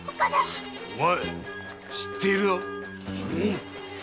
お前知っているな。